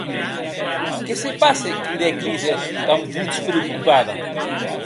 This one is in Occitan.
Qué se passe?, cridèc Lise damb votz preocupada.